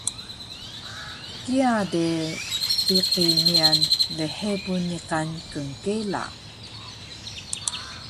kiya de biqi miyan lhebun niqan knkela